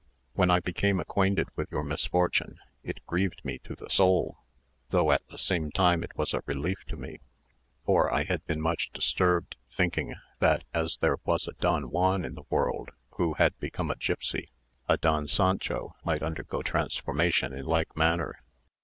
When I became acquainted with your misfortune, it grieved me to the soul, though at the same time it was a relief to me; for I had been much disturbed, thinking that as there was a Don Juan in the world who had become a gipsy, a Don Sancho might undergo transformation in like manner.